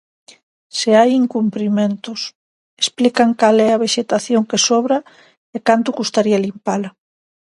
Se hai incumprimentos, explican cal é a vexetación que sobra e canto custaría limpala.